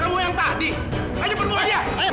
kalau kamu'ta mereka biar dia bisa mati bersama cap com